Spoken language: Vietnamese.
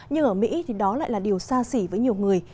nhưng ở mỹ thì đó lại là điều xa xỉ với nhiều người